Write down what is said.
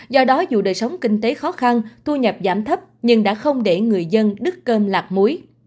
do đó dù đời sống kinh tế khó khăn thu nhập giảm thấp nhưng đã không để người dân đứt cơm lạc muối